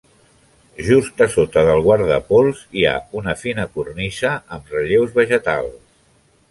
Just a sota del guardapols hi ha una fina cornisa amb relleus vegetals.